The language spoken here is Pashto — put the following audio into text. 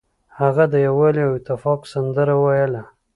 هغه د یووالي او اتفاق سندره ویله.